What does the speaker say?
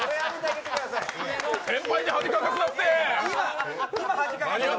先輩に恥かかすなって。